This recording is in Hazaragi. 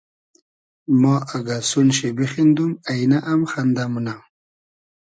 ما اگۂ سون شی بیخیندوم اݷنۂ ام خئندۂ مونۂ